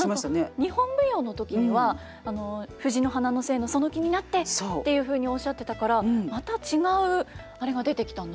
何か日本舞踊の時には藤の花の精のその気になってっていうふうにおっしゃってたからまた違うあれが出てきたんだなというふうに。